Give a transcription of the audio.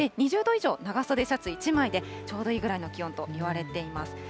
２０度以上、長袖シャツ１枚で、ちょうどいいぐらいの気温といわれています。